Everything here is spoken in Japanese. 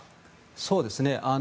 そうですね。